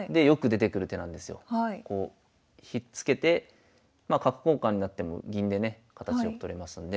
こうひっつけてまあ角交換になっても銀でね形良く取れますんで。